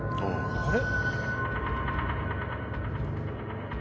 あれ？